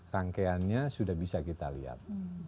rangkaiannya sudah bisa kita lihat